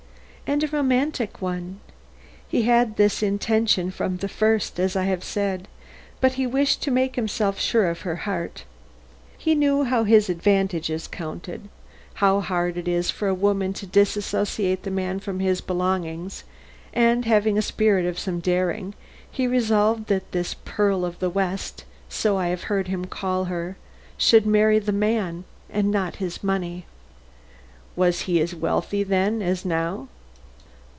"And a romantic one. He had this intention from the first, as I have said, but he wished to make himself sure of her heart. He knew how his advantages counted; how hard it is for a woman to disassociate the man from his belongings, and having a spirit of some daring, he resolved that this 'pearl of the west' so I have heard him call her should marry the man and not his money." "Was he as wealthy then as now?"